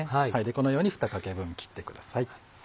このように２かけ分切ってください。